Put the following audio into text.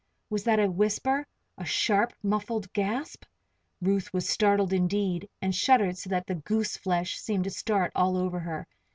Was that a whisper a sharp, muffled gasp? Ruth was startled, indeed, and shuddered so that the "goose flesh" seemed to start all over her.